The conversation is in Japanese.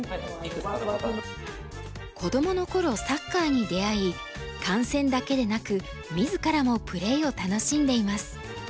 子どもの頃サッカーに出会い観戦だけでなく自らもプレーを楽しんでいます。